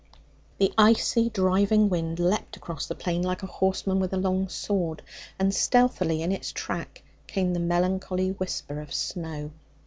The icy, driving wind leapt across the plain like a horseman with a long sword, and stealthily in its track came the melancholy whisper of snow.